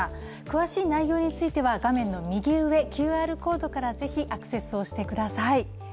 詳しい内容については画面の右上、ＱＲコードからぜひアクセスをしてください。